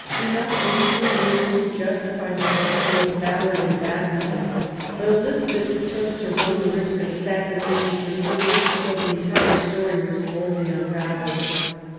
Enough was soon known to justify the seizure of Bdllard and Babington ; but Elizabeth chose to run the risk of assassination for some weeks till the entire story was slowly unravelled.